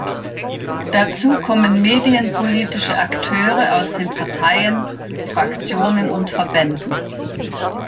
Dazu kommen medienpolitische Akteure aus den Parteien, Fraktionen und Verbänden.